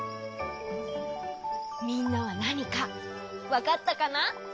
みんなはなにかわかったかな？